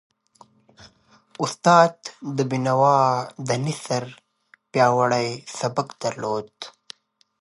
استاد بینوا د نثر پیاوړی سبک درلود.